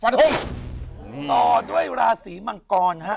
ต่อด้วยราศีมังกรฮะ